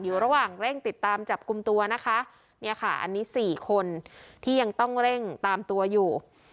อยู่ระหว่างเร่งติดตามจับกลุ่มตัวนะคะเนี่ยค่ะอันนี้สี่คนที่ยังต้องเร่งตามตัวอยู่